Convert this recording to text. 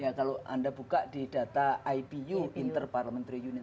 itu anda buka di data ipu inter parliamentary unit